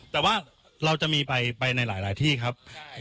แต่ว่าเราจะมีไปในหลายที่ครับ